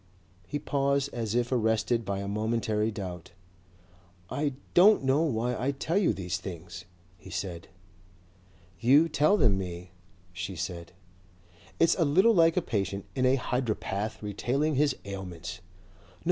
He paused as if arrested by a momentary doubt. "I don't know why I tell you these things," he said. "You tell them me," she said. "It's a little like a patient in a hydropath retailing his ailments." "No.